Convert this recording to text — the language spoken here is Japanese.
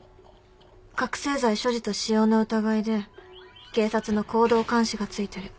覚醒剤所持と使用の疑いで警察の行動監視がついてる。